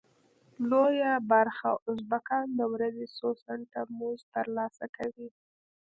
لویه برخه ازبکان د ورځې څو سنټه مزد تر لاسه کوي.